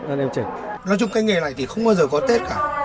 nên nói chung cái nghề này thì không bao giờ có tết cả